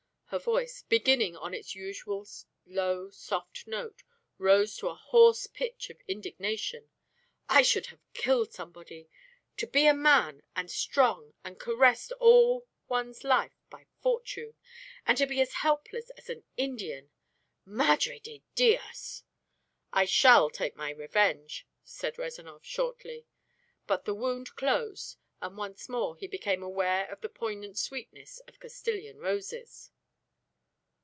Her voice, beginning on its usual low soft note, rose to a hoarse pitch of indignation. "I should have killed somebody! To be a man, and strong, and caressed all one's life by fortune and to be as helpless as an Indian! Madre de dios!" "I shall take my revenge," said Rezanov shortly; but the wound closed, and once more he became aware of the poignant sweetness of Castilian roses.